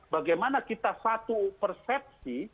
bagaimana kita satu persepsi